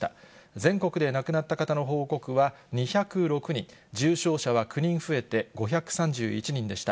全国で亡くなった方の報告は２０６人、重症者は９人増えて５３１人でした。